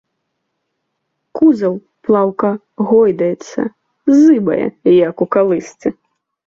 Кузаў плаўка гойдаецца, зыбае, як у калысцы.